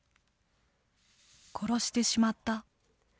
殺してしまった。